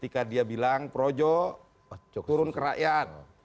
ketika dia bilang projo turun ke rakyat